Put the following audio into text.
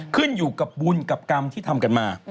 ขึ้นอยู่กับบุญกับกรรมที่ทำกันมา